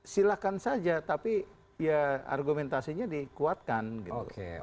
silahkan saja tapi ya argumentasinya dikuatkan gitu